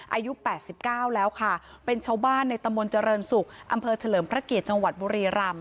อายุแปดสิบเก้าแล้วค่ะเป็นชาวบ้านในตมรเจริญศุกร์